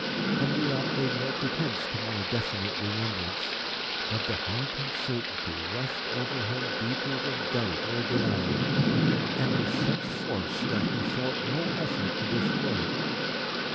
Henriot made no pretence to more definite remembrance; but the haunting certainty rushed over him, deeper than doubt or denial, and with such force that he felt no effort to destroy it.